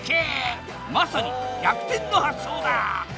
まさに逆転の発想だ！